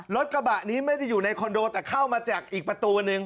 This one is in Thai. รถกระบะนี้ไม่ได้อยู่ในคอนโดแต่เข้ามาจากอีกประตูนึง